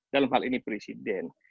dalam hal ini presiden